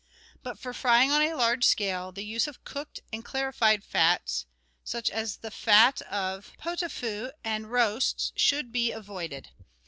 But for frying on a large scale, the use of cooked and clarified fats, such as the fat of " pot au feu " and roasts, should be avoided.